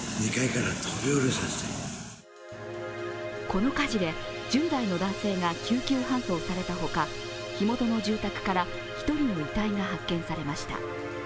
この火事で１０代の男性が救急搬送されたほか火元の住宅から１人の遺体が発見されました。